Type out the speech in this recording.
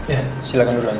ya silahkan duluan pak